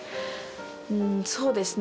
うんそうですね